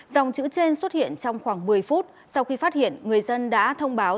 dòng chữ trên xuất hiện trong khoảng một mươi phút sau khi phát hiện người dân đã thông báo